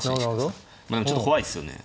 まあでもちょっと怖いですよね。